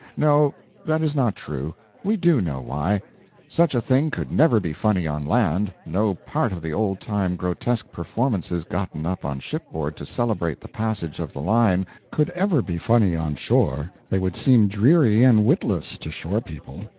No, that is not true. We do know why. Such a thing could never be funny on land; no part of the old time grotesque performances gotten up on shipboard to celebrate the passage of the line could ever be funny on shore they would seem dreary and witless to shore people.